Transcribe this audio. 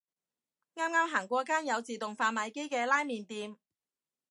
啱啱行過間有自動販賣機嘅拉麵店